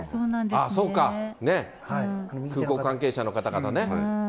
あっ、そうか、空港関係者の方々ね。